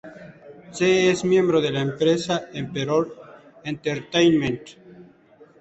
Tse es miembro de la empresa Emperor Entertainment.